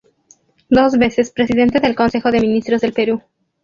Dos veces Presidente del Consejo de Ministros del Perú.